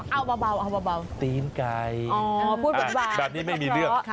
เอาเบาตีนไก่อ๋อพูดบ่นแบบนี้ไม่มีเรื่อง